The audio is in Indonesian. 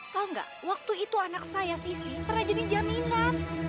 tahu nggak waktu itu anak saya sisi pernah jadi jaminan